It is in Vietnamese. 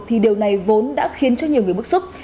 thì điều này vốn đã khiến cho nhiều người bức xúc